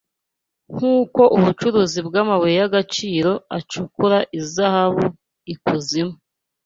Nk’uko umucukuzi w’amabuye y’agaciro acukura izahabu ikuzimu